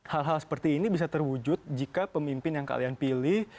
hal hal seperti ini bisa terwujud jika pemimpin yang kalian pilih